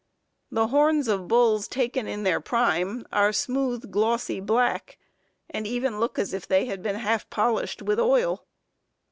The horns of bulls taken in their prime are smooth, glossy black, and even look as if they had been half polished with oil.